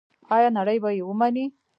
آیا نړۍ به یې ومني؟